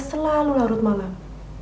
selalu larut malam